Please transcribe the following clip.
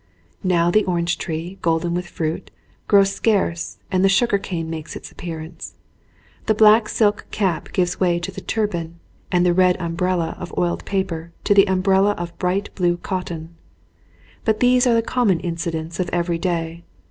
Now the orange tree, golden with fruit, grows scarce and the sugar cane makes its appearance. The black silk cap gives way to the turban and the red umbrella of oiled paper to the umbrella of bright blue cotton. But these are the common incidents of every day.